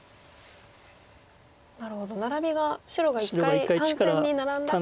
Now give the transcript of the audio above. なるほどナラビが白が一回３線にナラんだから。